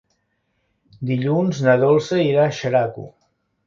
Dilluns na Dolça irà a Xeraco.